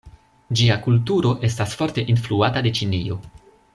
Ĝia kulturo estas forte influata de Ĉinio.